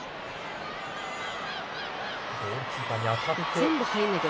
ゴールキーパーに当たると。